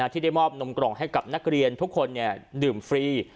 ที่ได้มอบนมกล่องให้กับนักเรียนทุกคนดื่มฟรี